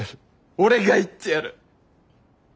俺が言ってやる。